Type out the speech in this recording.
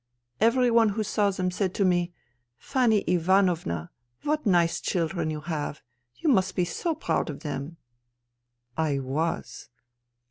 Every one who saw them said to me :' Fanny Ivanovna, what nice children you have. You must be so proud of them !* I was.